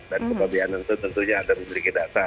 dan kepabianan itu tentunya ada memiliki data